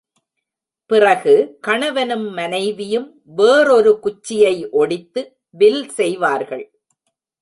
பிறகு கணவனும் மனைவியும் வேறொரு குச்சியை ஒடித்து வில் செய்வார்கள்.